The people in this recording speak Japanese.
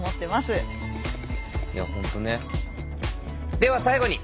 では最後に。